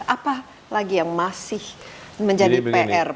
apa lagi yang masih menjadi pr perlu diurus